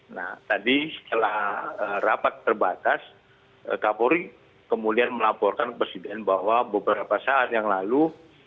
nah tadi setelah rapat terbatas kapolri kemudian melaporkan ke presiden bahwa beberapa saat yang lalu